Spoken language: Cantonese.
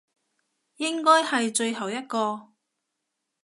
應該係最後一個